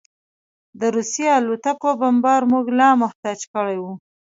د روسي الوتکو بمبار موږ لا محتاط کړي وو